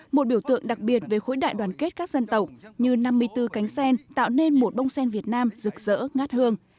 một biểu tượng đặc biệt về khối đại đoàn kết các dân tộc như năm mươi bốn cánh sen tạo nên một bông sen việt nam rực rỡ ngát hương